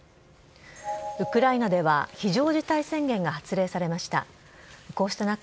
ウクライナでは非常事態宣言が発令されました。